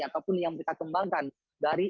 ataupun yang kita kembangkan dari